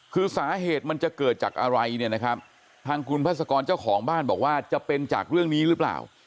คือสาเหตุมันจะเกิดจากอะไรเนี่ยนะครับทางคุณพัศกรเจ้าของบ้านบอกว่าจะเป็นจากเรื่องนี้หรือเปล่า